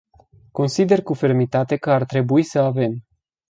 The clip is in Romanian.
Consider cu fermitate că ar trebui să avem.